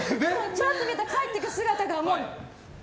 ちょろっと見えた帰っていく姿がもう。